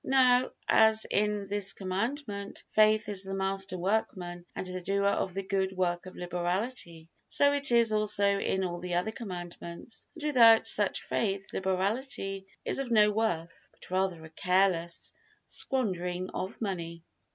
Now, as in this Commandment faith is the master workman and the doer of the good work of liberality, so it is also in all the other Commandments, and without such faith liberality is of no worth, but rather a careless squandering of money.